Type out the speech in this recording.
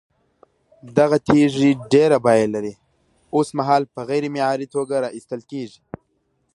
دغه تېږې ډېره بيه لري، اوسمهال په غير معياري توگه راايستل كېږي،